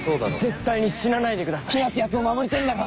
「絶対に死なないでください」「ヒナってやつを守りてえんだろ」